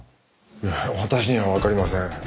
いや私にはわかりません。